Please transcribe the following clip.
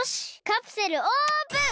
カプセルオープン！